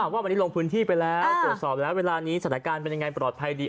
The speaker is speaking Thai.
ว่าวันนี้ลงพื้นที่ไปแล้วตรวจสอบแล้วเวลานี้สถานการณ์เป็นยังไงปลอดภัยดี